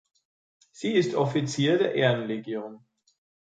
Sie ist Offizier der Ehrenlegion.